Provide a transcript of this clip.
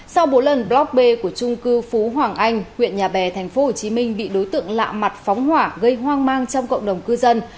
sau bốn lần blockbe của trung cư phú hoàng anh huyện nhà bè tp hcm bị đối tượng lạ mặt phóng hỏa gây hoang mang trong cộng đồng cư dân